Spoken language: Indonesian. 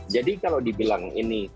jadi kalau dibilang ini tantangannya apa